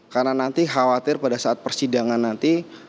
karena nanti khawatir pada saat persidangan nanti